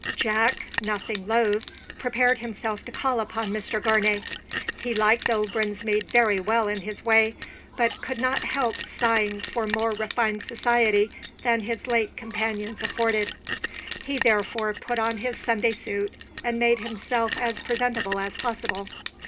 Jack, nothing loath, prepared himself to call upon Mr Gournay. He liked old Brinsmead very well in his way; but could not help sighing for more refined society than his late companions afforded. He therefore put on his Sunday suit, and made himself as presentable as possible.